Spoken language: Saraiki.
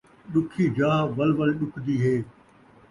ݙکھی جاہ ول ول ݙکھدی ہے